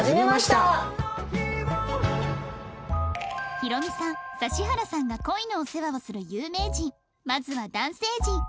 ヒロミさん指原さんが恋のお世話をする有名人まずは男性陣